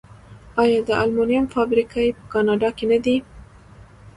آیا د المونیم فابریکې په کاناډا کې نه دي؟